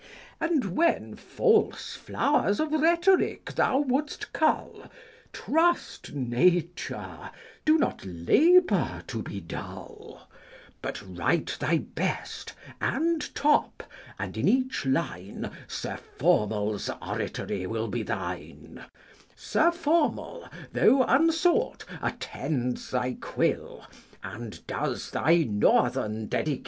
4 And when false flowers of rhetoric thou wouldst cull, Trust nature, do not labour to be dull ; But write thy best, and top ; and, in each line, Sir Formal's 5 oratory will be thine : Sir Formal, though unsought, attends thy quill, And does thy northern dedications fill.